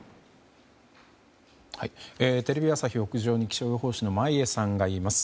テレビ朝日屋上に気象予報士の眞家さんがいます。